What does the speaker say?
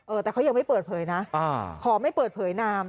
แต่เขายังไม่เปิดเผยนะขอไม่เปิดเผยนาม